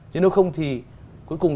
chứ nếu không thì cuối cùng